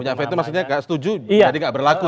punya veto maksudnya gak setuju jadi gak berlaku ya